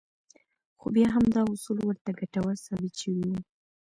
خو بيا هم دا اصول ورته ګټور ثابت شوي وو.